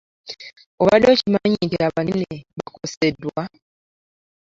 Obadde okimanyi nti abanene bakosedwa?